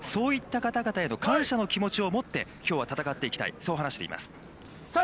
そういった人たちへの感謝の気持ちを持ってきょうは戦っていきたいそう話しています。